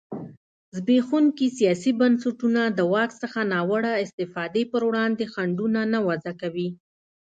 زبېښونکي سیاسي بنسټونه د واک څخه ناوړه استفادې پر وړاندې خنډونه نه وضعه کوي.